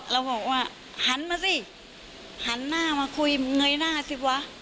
เราบอกว่าหันมาสิหันหน้ามาคุยเงยหน้าสิวะ